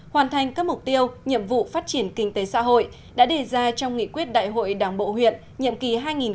hoàn thành các mục tiêu nhiệm vụ phát triển kinh tế xã hội đã đề ra trong nghị quyết đại hội đảng bộ huyện nhiệm kỳ hai nghìn hai mươi hai nghìn hai mươi năm